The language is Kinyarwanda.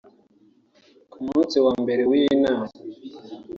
Ku munsi wa Mbere w’iyi nama